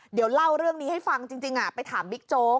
เดี๋ยวเล่าเรื่องนี้ให้ฟังจริงไปถามบิ๊กโจ๊ก